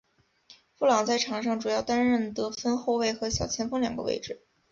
布朗在场上主要担任得分后卫和小前锋两个位置。